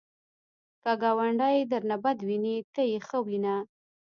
که ګاونډی درنه بد ویني، ته یې ښه وینه